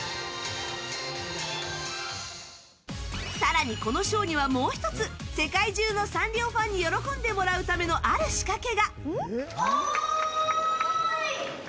更に、このショーにはもう１つ世界中のサンリオファンに喜んでもらうためのある仕掛けが。